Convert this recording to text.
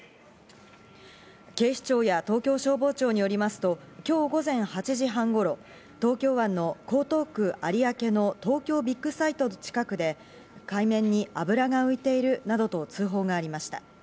警視庁や東京消防庁によりますと今日午前８時半頃、東京湾の江東区有明の東京ビッグサイト近くで海面に油が浮いているなどと通報がありました。